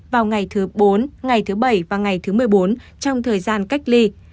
vào ngày thứ bốn ngày thứ bảy và ngày thứ một mươi bốn trong thời gian cách ly